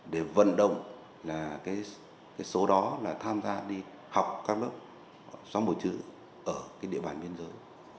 để vận động là cái số đó là tham gia đi học các lớp xóa mùa chữ ở cái địa bàn biên giới